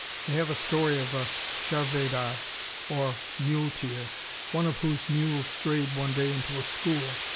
They have a story of a charvadar, or muleteer, one of whose mules strayed one day into a school.